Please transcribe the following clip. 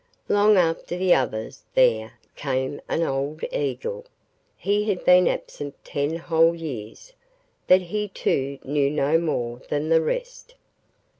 Long after the others there came an old eagle. He had been absent ten whole years, but he too knew no more than the rest.